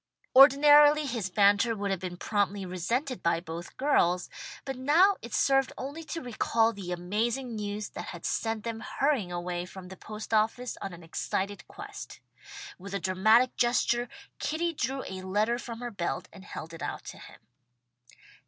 Ordinarily his banter would have been promptly resented by both girls, but now it served only to recall the amazing news that had sent them hurrying away from the post office on an excited quest. With a dramatic gesture, Kitty drew a letter from her belt and held it out to him.